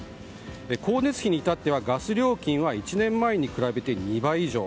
光熱費に至ってはガス料金は１年前に比べて２倍以上。